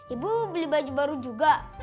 ibu beli baju baru juga